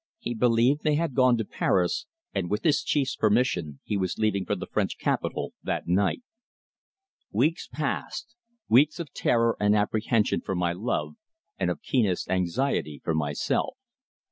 He believed they had gone to Paris, and with his chief's permission he was leaving for the French capital that night. Weeks passed weeks of terror and apprehension for my love, and of keenest anxiety for myself.